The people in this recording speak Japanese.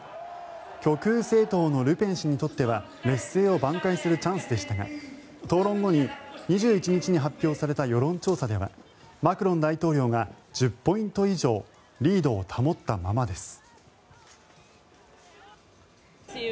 極右政党のルペン氏にとっては劣勢をばん回するチャンスでしたが討論後に２１日に発表された世論調査ではマクロン大統領が１０ポイント以上リードを保ったままです。